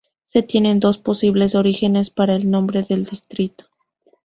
Se tienen dos posibles orígenes para el nombre del distrito.